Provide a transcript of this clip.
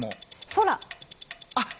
空？